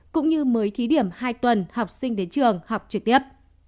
cũng như mới thí điểm hai tuần học sinh đến trường học trực tiếp